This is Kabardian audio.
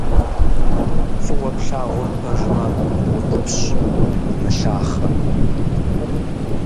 Фӏыуэ плъагъур пэжымэ - утӏыпщ, умылъахъэ.